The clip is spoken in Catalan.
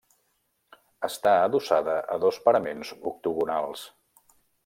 Està adossada a dos paraments octogonals.